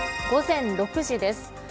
午前６時です。